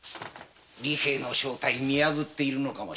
利平の正体を見破っているかも。